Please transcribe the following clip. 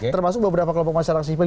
termasuk beberapa kelompok masyarakat sipil